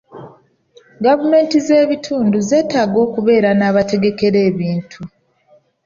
Gavumenti z’ebitundu zeetaaga okubeera n’abategekera ebitundu.